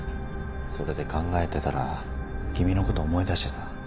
それで考えてたら君のこと思い出してさ。